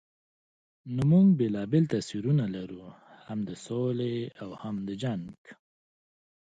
نو موږ بېلابېل تصویرونه لرو، هم د سولې او هم د جنګ.